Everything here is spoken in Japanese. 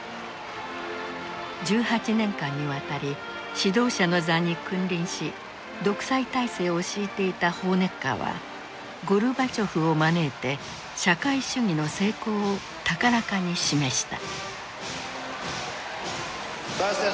１８年間にわたり指導者の座に君臨し独裁体制を敷いていたホーネッカーはゴルバチョフを招いて社会主義の成功を高らかに示した。